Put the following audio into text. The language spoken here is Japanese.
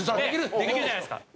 できるじゃないですか。